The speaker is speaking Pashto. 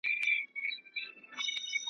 له دریمه چي بېغمه دوه یاران سول .